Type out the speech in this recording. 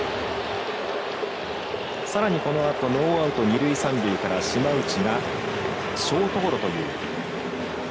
さらにこのあとノーアウト、二塁三塁から島内が、ショートゴロという。